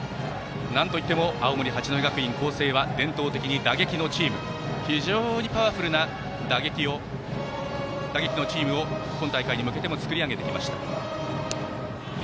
なんといっても青森・八戸学院光星は伝統的に非常に強力な打撃のチームを今大会に向けても作り上げてきました。